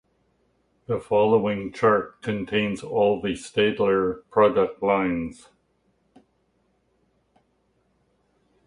The following chart contains all the Staedtler product lines.